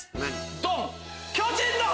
ドン！